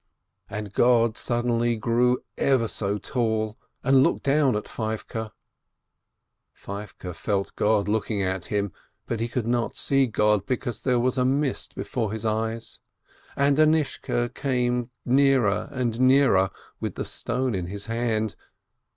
And God suddenly grew ever so tall, and looked down at Feivke. Feivke felt God looking at him, but he could not see God, because there was a mist before his eyes. And Anishka came nearer and nearer with the stone in his hand.